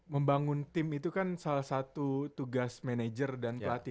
membangun tim itu kan salah satu tugas manajer dan pelatih